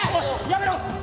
「やめろ」。